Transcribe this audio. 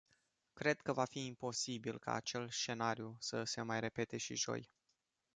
Cred că va fi imposibil ca acel scenariu să se mai repete și joi.